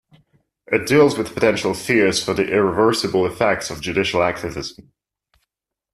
It deals with potential fears for the irreversible effects of judicial activism.